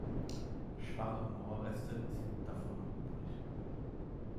Schwache Mauerreste sind davon noch übrig.